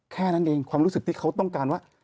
แค่นั้นเองความรู้สึกที่เขาต้องการว่า